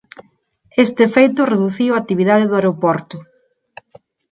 Este feito reduciu a actividade do aeroporto.